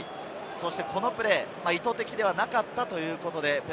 そしてこのプレー、意図的ではなかったということで。